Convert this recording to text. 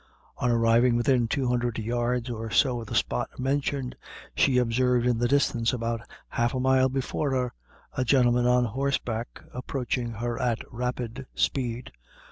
On arriving within two hundred yards or so of the spot mentioned, she observed in the distance, about a half mile before her, a gentleman, on horseback, approaching her at rapid speed.